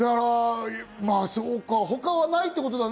他はないってことだね。